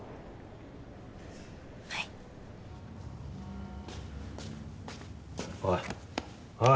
はいおいおい